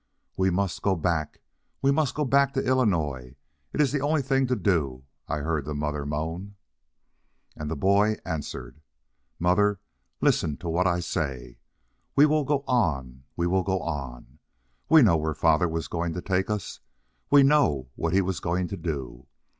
"We must go back—we must go back to Illinois. It is the only thing to do," I heard the mother moan. And the boy answered: "Mother, listen to what I say: We will go on—we will go on. We know where father was going to take us—we know what he was going to do.